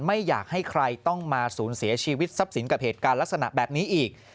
ไม่อยากให้ใครต้องมาสูญเสียชีวิตทรัพย์สินกับเหตุการณ์ลักษณะแบบนี้อีก